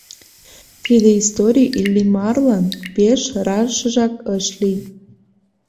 Тиде историй Иллимарлан пеш рашыжак ыш лий.